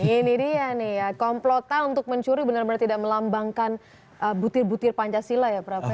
ini dia nih ya komplotan untuk mencuri benar benar tidak melambangkan butir butir pancasila ya prab